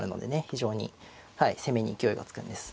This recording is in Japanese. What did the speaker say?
非常に攻めに勢いがつくんです。